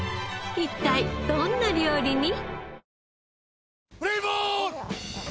一体どんな料理に？